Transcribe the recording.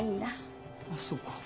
あっそうか。